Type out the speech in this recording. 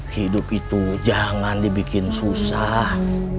hidup itu jangan dibikin susah